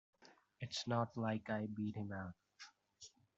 It's not like I beat him out.